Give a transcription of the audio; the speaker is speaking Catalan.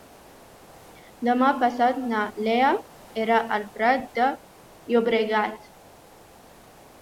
Demà passat na Lea irà al Prat de Llobregat.